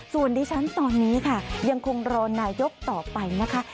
ส่วนดิฉันตอนนี้ค่ะยังคงรอนายกต่อไปนะคะ